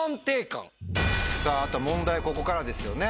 さぁ問題はここからですよね